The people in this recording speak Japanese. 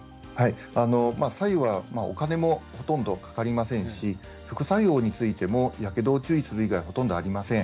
白湯は、お金もほとんどかかりませんし副作用についてやけどを注意する以外ほとんどありません。